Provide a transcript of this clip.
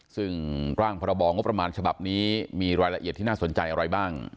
ซึ่งร่างพรบงบประมาณฉบับนี้มีรายละเอียดที่น่าสนใจอะไรบ้าง